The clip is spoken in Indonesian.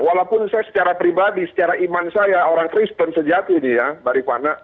walaupun saya secara pribadi secara iman saya orang kristen sejati ini ya mbak rifana